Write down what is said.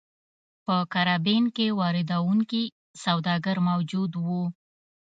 په کارابین کې واردوونکي سوداګر موجود وو.